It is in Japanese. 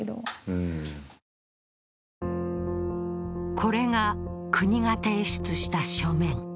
これが、国が提出した書面。